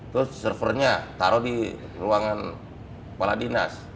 terus servernya taruh di ruangan kepala dinas